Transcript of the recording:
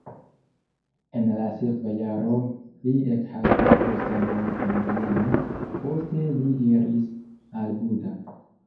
En la sekva jaro li ekhavis postenon en Vieno, poste li iris al Buda.